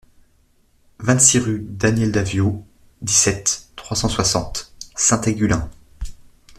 vingt-six rue Daniel Daviaud, dix-sept, trois cent soixante, Saint-Aigulin